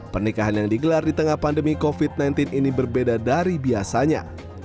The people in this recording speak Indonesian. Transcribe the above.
pernikahan yang digelar di tengah pandemi covid sembilan belas ini berbeda dari biasanya